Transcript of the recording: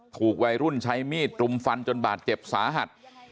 ถูกวัยรุ่นใช้มีดรุมฟันจนบาดเจ็บสาหัส